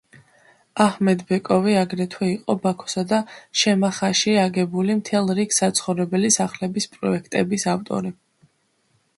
აჰმედბეკოვი აგრეთვე იყო ბაქოსა და შემახაში აგებული მთელ რიგ საცხოვრებელი სახლების პროექტების ავტორი.